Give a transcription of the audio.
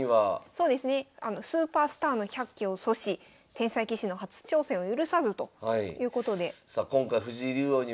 そうですね「スーパースターの１００期を阻止」「天才棋士の初挑戦を許さず」ということで。